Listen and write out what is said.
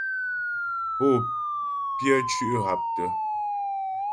Pô pyə́ cʉ́' haptə.